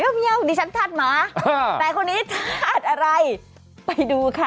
เมียวดิฉันธาตุหมาแต่คนนี้ธาตุอะไรไปดูค่ะ